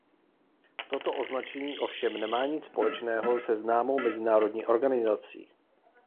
Toto označení ovšem nemá nic společného se známou mezinárodní organizací.